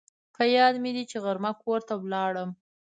په یاد مې دي چې غرمه کور ته ولاړم